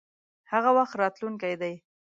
هغه وخت راتلونکی دی.